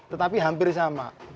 tetapi hampir sama